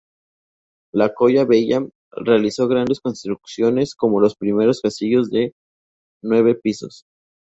La Colla Vella realizó grandes construcciones, como los primeros castillos de nueve pisos.